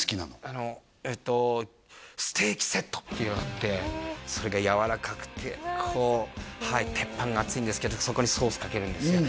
あのえっとっていうのがあってそれがやわらかくてこうはい鉄板が熱いんですけどそこにソースかけるんですよ